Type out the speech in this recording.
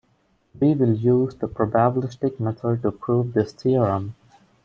We will use the probabilistic method to prove this theorem.